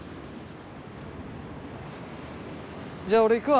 じゃあ俺行くわ。